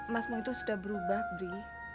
masmu itu sudah berubah bri